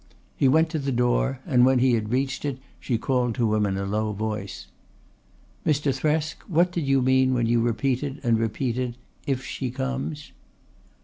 He went to the door, and when he had reached it she called to him in a low voice. "Mr. Thresk, what did you mean when you repeated and repeated if she comes?"